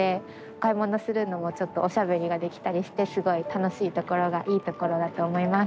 買い物するのも、ちょっとおしゃべりができたりして楽しいところがいいところだと思います。